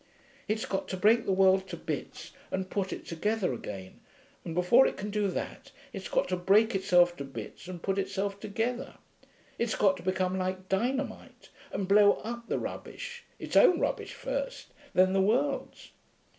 It's got to break the world to bits and put it together again, and before it can do that it's got to break itself to bits and put itself together. It's got to become like dynamite, and blow up the rubbish its own rubbish first, then the world's....'